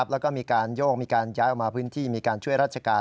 แล้วก็มีการโยกมีการย้ายออกมาพื้นที่มีการช่วยราชการ